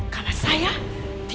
karena saya tidak akan bersatu